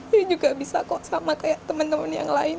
dia juga bisa kok sama kayak teman teman yang lain